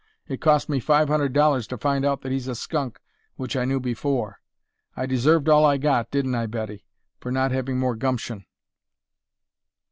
It cost me five hundred dollars to find out that he's a skunk, which I knew before. I deserved all I got, didn't I, Betty, for not having more gumption."